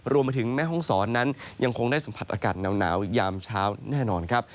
รวมไปถึงแม่ห้องศรนั้นยังคงได้สัมผัสอากาศหนาวอีกยามเช้าแน่นอนครับ